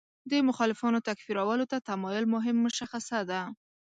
د مخالفانو تکفیرولو ته تمایل مهم مشخصه ده.